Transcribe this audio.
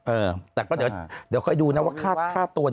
เออแต่ก็เดี๋ยวคอยดูนะว่าค่าตัว